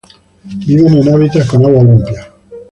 Viven en hábitats con agua limpia.